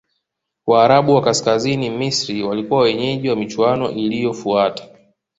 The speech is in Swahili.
waarabu wa kaskazini misri walikuwa wenyeji wa michuano iliyofuata